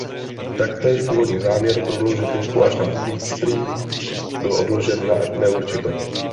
Taktéž původní záměr prodloužit linku až na Fleet Street byl odložen na neurčito.